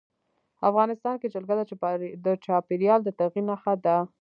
افغانستان کې جلګه د چاپېریال د تغیر نښه ده.